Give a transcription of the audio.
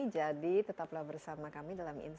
jadi tetaplah bersama kami dalam insight with desi anwar